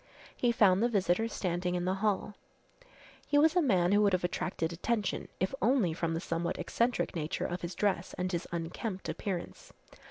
He found the visitor standing in the hall. He was a man who would have attracted attention, if only from the somewhat eccentric nature of his dress and his unkempt appearance.